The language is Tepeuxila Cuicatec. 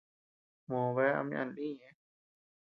Mòo bea ama ñana lï ñeʼë.